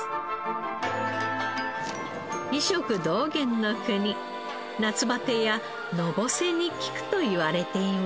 医食同源の国夏バテやのぼせに効くといわれています。